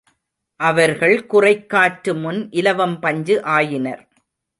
அவர்கள் குறைக்காற்று முன் இலவம் பஞ்சு ஆயினர்.